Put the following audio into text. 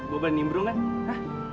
gue berenimbrungan hah